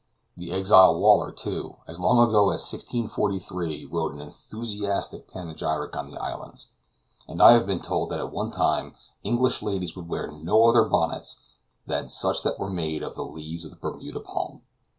The exile Waller, too, as long ago as 1643, wrote an enthusiastic panegyric on the islands, and I have been told that at one time English ladies would wear no other bonnets than such as were made of the leaves of the Bermuda palm."